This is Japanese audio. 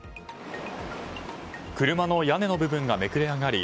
車の屋根の部分がめくれ上がり